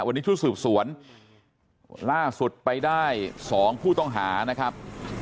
วันนี้ชุดสืบสวนล่าสุดไปได้๒ผู้ต้องหานะครับ